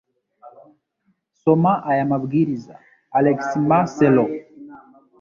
Soma aya mabwiriza (alexmarcelo)